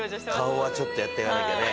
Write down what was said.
顔はちょっとやってかなきゃね